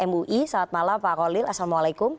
mui salam pak colin assalamualaikum